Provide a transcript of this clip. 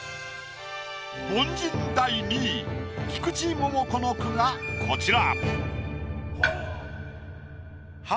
凡人第２位菊池桃子の句がこちら。